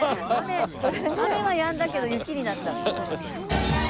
雨雨はやんだけど雪になった。